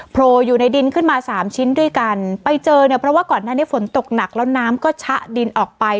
โผล่อยู่ในดินขึ้นมาสามชิ้นด้วยกันไปเจอเนี่ยเพราะว่าก่อนหน้านี้ฝนตกหนักแล้วน้ำก็ชะดินออกไป